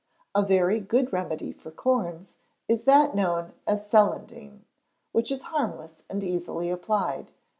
A very good remedy for corns is that known as "Celandine," which is harmless and easily applied.